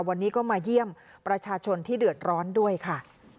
วันนี้ก็มาเยี่ยมประชาชนที่เดือดร้อนด้วยค่ะ